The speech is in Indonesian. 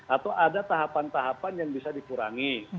atau ada tahapan tahapan yang bisa dikurangi